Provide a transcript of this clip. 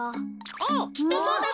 おうきっとそうだぜ。